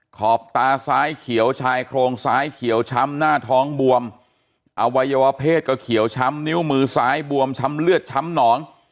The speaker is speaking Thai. ขอบตาซ้ายเขียวชายโครงซ้ายเขียวช้ำหน้าท้องบวมอวัยวะเพศก็เขียวช้ำนิ้วมือซ้ายบวมช้ำเลือดช้ำหนอง